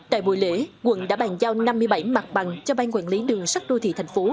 tại buổi lễ quận đã bàn giao năm mươi bảy mặt bằng cho bang quản lý đường sắt đô thị tp